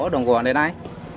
đồng quán này đây